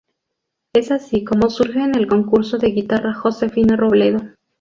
Es así como surgen el Concurso de Guitarra Josefina Robledo.